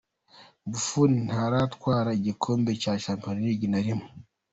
Buffon ntaratwara igikombe cya Champions League na rimwe.